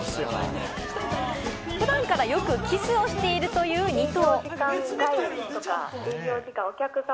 普段からよくキスをしているという２頭。